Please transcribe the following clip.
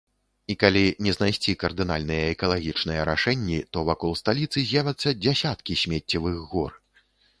І калі не знайсці кардынальныя экалагічныя рашэнні, то вакол сталіцы з'явяцца дзясяткі смеццевых гор.